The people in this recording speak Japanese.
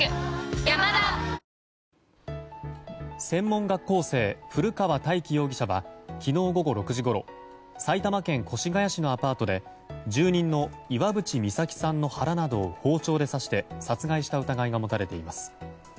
専門学校生古川大輝容疑者は昨日午後６時ごろ埼玉県越谷市のアパートで住人の岩渕未咲さんの腹などを包丁で刺して殺害した疑いが持たれています。